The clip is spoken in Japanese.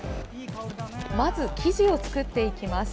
まず生地を作っていきます。